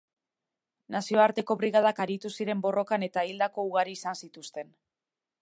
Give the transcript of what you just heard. Nazioarteko Brigadak aritu ziren borrokan eta hildako ugari izan zituzten.